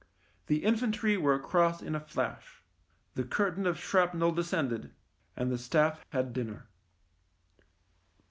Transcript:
The infantry were across in a flash — the curtain of shrapnel descended — and the staff had dinner.